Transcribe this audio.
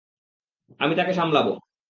আমি তাকে সামলাবো।